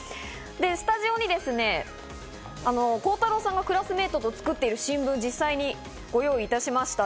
スタジオに孝太朗さんがクラスメートと作っている新聞を実際にご用意いたしました。